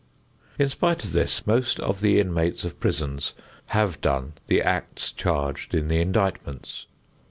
In spite of this, most of the inmates of prisons have done the acts charged in the indictments.